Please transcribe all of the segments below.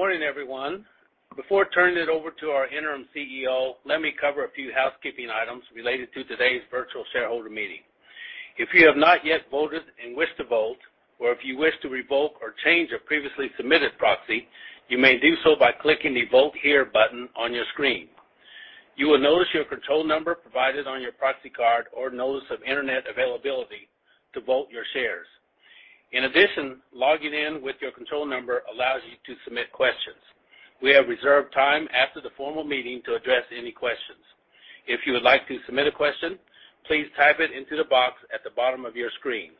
Good morning, everyone. Before turning it over to our Interim CEO, let me cover a few housekeeping items related to today's virtual shareholder meeting. If you have not yet voted and wish to vote, or if you wish to revoke or change a previously submitted proxy, you may do so by clicking the Vote Here button on your screen. You will notice your control number provided on your proxy card or notice of internet availability to vote your shares. In addition, logging in with your control number allows you to submit questions. We have reserved time after the formal meeting to address any questions. If you would like to submit a question, please type it into the box at the bottom of your screen.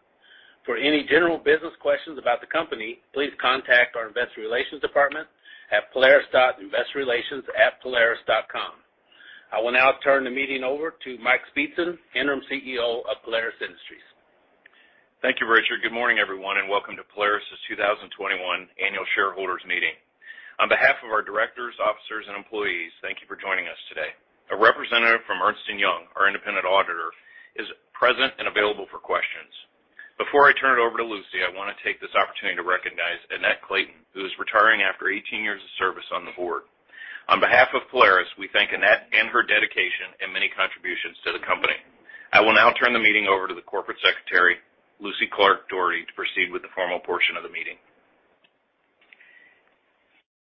For any general business questions about the company, please contact our investor relations department at polaris.investorrelations@polaris.com. I will now turn the meeting over to Michael Speetzen, Interim CEO of Polaris Inc. Thank you, Richard. Good morning, everyone, and welcome to Polaris' 2021 annual shareholders meeting. On behalf of our directors, officers, and employees, thank you for joining us today. A representative from Ernst & Young, our independent auditor, is present and available for questions. Before I turn it over to Lucy, I want to take this opportunity to recognize Annette Clayton, who is retiring after 18 years of service on the board. On behalf of Polaris, we thank Annette and her dedication and many contributions to the company. I will now turn the meeting over to the Corporate Secretary, Lucy Clark Dougherty, to proceed with the formal portion of the meeting.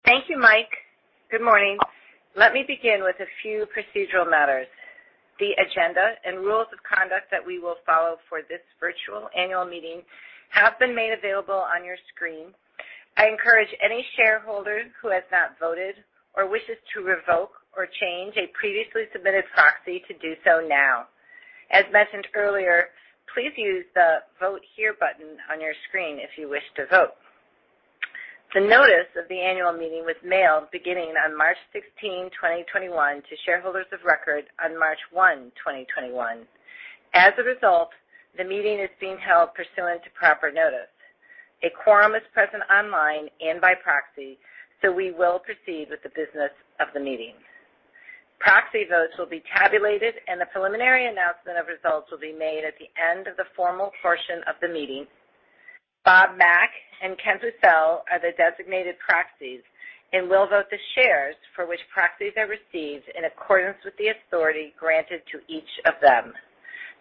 Thank you, Mike. Good morning. Let me begin with a few procedural matters. The agenda and rules of conduct that we will follow for this virtual annual meeting have been made available on your screen. I encourage any shareholder who has not voted or wishes to revoke or change a previously submitted proxy to do so now. As mentioned earlier, please use the Vote Here button on your screen if you wish to vote. The notice of the annual meeting was mailed beginning on March 16, 2021, to shareholders of record on March 1, 2021. As a result, the meeting is being held pursuant to proper notice. A quorum is present online and by proxy, so we will proceed with the business of the meeting. Proxy votes will be tabulated, and the preliminary announcement of results will be made at the end of the formal portion of the meeting. Bob Mack and Kenneth Pucel are the designated proxies and will vote the shares for which proxies are received in accordance with the authority granted to each of them.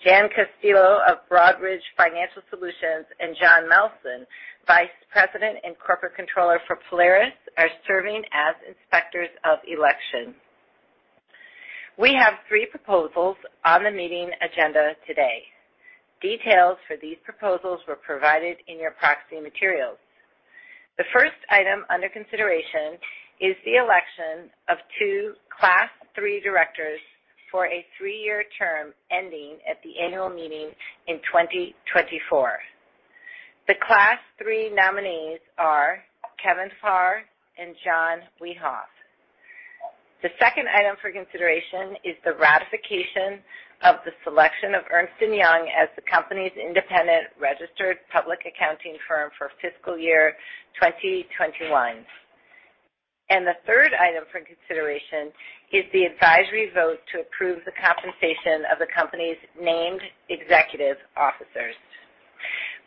Jan Castillo of Broadridge Financial Solutions and John Melsen, Vice President and Corporate Controller for Polaris, are serving as inspectors of election. We have three proposals on the meeting agenda today. Details for these proposals were provided in your proxy materials. The first item under consideration is the election of two Class III directors for a three-year term ending at the annual meeting in 2024. The Class III nominees are Kevin Farr and John Wiehoff. The second item for consideration is the ratification of the selection of Ernst & Young as the company's independent registered public accounting firm for fiscal year 2021. The third item for consideration is the advisory vote to approve the compensation of the company's named executive officers.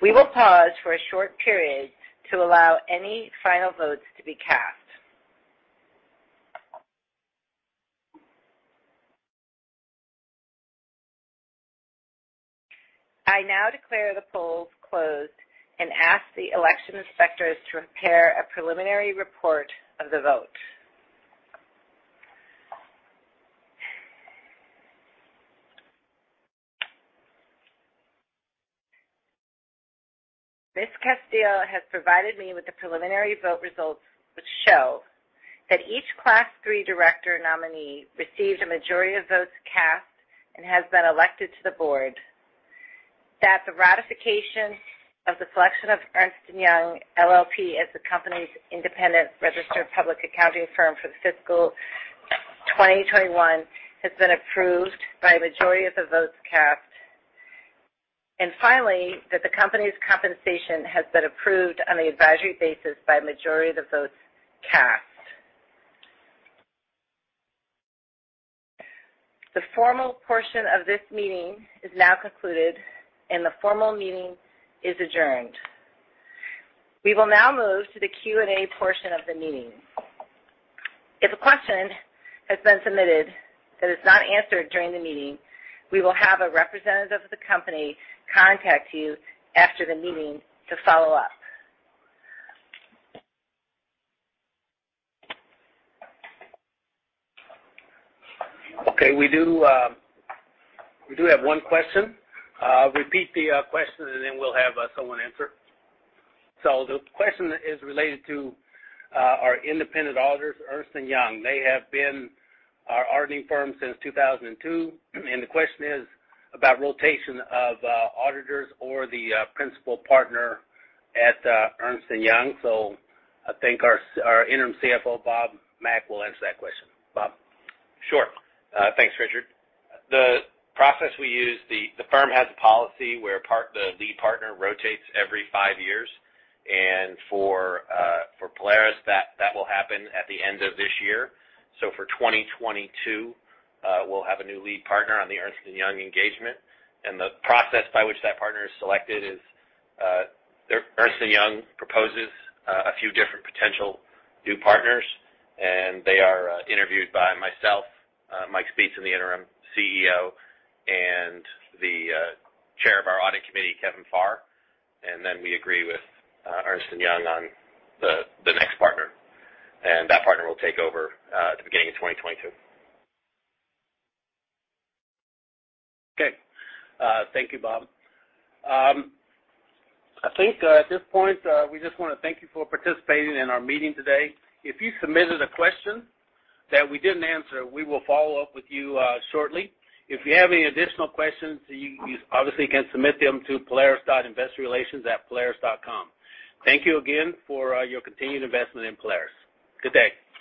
We will pause for a short period to allow any final votes to be cast. I now declare the polls closed and ask the election inspectors to prepare a preliminary report of the vote. Ms. Castillo has provided me with the preliminary vote results, which show that each Class III director nominee received a majority of votes cast and has been elected to the board. That the ratification of the selection of Ernst & Young LLP as the company's independent registered public accounting firm for fiscal 2021 has been approved by a majority of the votes cast. Finally, that the company's compensation has been approved on the advisory basis by a majority of the votes cast. The formal portion of this meeting is now concluded, and the formal meeting is adjourned. We will now move to the Q&A portion of the meeting. If a question has been submitted that is not answered during the meeting, we will have a representative of the company contact you after the meeting to follow up. We do have one question. Repeat the question and then we'll have someone answer. The question is related to our independent auditors, Ernst & Young. They have been our auditing firm since 2002, and the question is about rotation of auditors or the principal partner at Ernst & Young. I think our Interim CFO, Bob Mack, will answer that question. Bob? Sure. Thanks, Richard. The process we use, the firm has a policy where the lead partner rotates every five years, and for Polaris, that will happen at the end of this year. For 2022, we'll have a new lead partner on the Ernst & Young engagement, and the process by which that partner is selected is Ernst & Young proposes a few different potential new partners, and they are interviewed by myself, Michael Speetzen, the Interim Chief Executive Officer, and the chair of our audit committee, Kevin Farr, and then we agree with Ernst & Young on the next partner. That partner will take over at the beginning of 2022. Okay. Thank you, Bob. I think at this point, we just want to thank you for participating in our meeting today. If you submitted a question that we didn't answer, we will follow up with you shortly. If you have any additional questions, you obviously can submit them to polaris.investorrelations@polaris.com. Thank you again for your continued investment in Polaris. Good day.